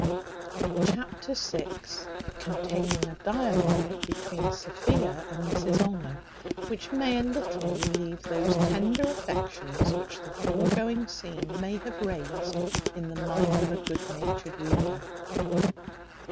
Chapter vi. Containing a dialogue between Sophia and Mrs Honour, which may a little relieve those tender affections which the foregoing scene may have raised in the mind of a good natured reader.